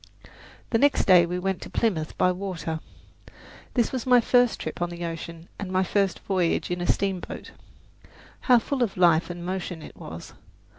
The next day we went to Plymouth by water. This was my first trip on the ocean and my first voyage in a steamboat. How full of life and motion it was!